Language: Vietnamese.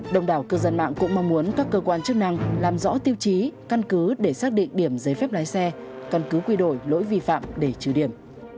đồng đảo cư dân mạng cũng mong muốn các cơ quan chức năng làm rõ tiêu chí căn cứ để xác định điểm giấy phép lái xe căn cứ quy đổi lỗi vi phạm để trừ điểm